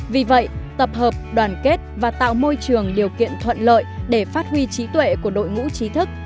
vì vậy tập hợp đoàn kết và tạo môi trường điều kiện thuận lợi để phát huy trí tuệ của đội ngũ trí thức